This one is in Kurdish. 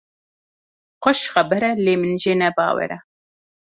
Xweş xeber e lê min jê ne bawer e.